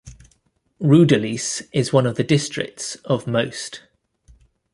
Rudolice is one of the districts of Most.